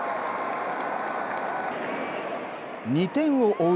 ２点を追う